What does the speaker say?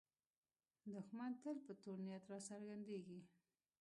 دښمن تل په تور نیت راڅرګندېږي